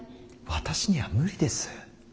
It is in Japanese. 私には無理です。